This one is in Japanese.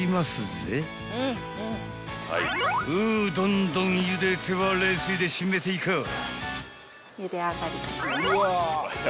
［うどんどんゆでては冷水で締めていかぁ］